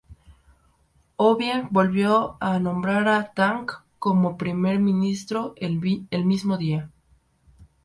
Obiang volvió a nombrar a Tang como primer ministro el mismo día.